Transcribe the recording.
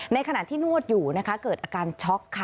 ในขณะที่นวดอยู่นะคะเกิดอาการช็อกค่ะ